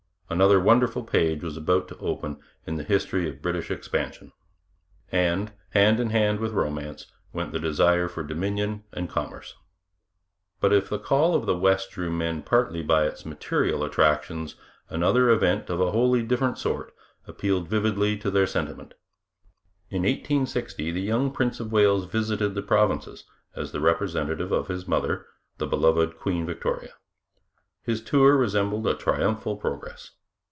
Another wonderful page was about to open in the history of British expansion. And, hand in hand with romance, went the desire for dominion and commerce. But if the call of the West drew men partly by its material attractions, another event, of a wholly different sort, appealed vividly to their sentiment. In 1860 the young Prince of Wales visited the provinces as the representative of his mother, the beloved Queen Victoria. His tour resembled a triumphal progress.